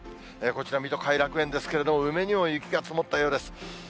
こちら、水戸・偕楽園ですけれども、梅にも雪が積もったようです。